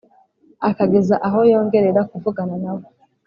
akageza aho yongerera kuvugana nawe